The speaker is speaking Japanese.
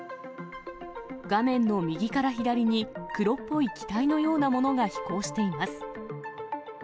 画面の右から左に、黒っぽい機体のようなものが飛行しています。